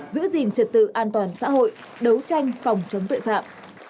giữ gìn trật tự an toàn xã hội đấu tranh phòng chống tội phạm